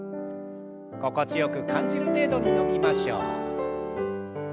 心地よく感じる程度に伸びましょう。